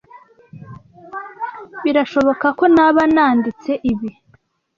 Birashoboka ko naba nanditse ibi.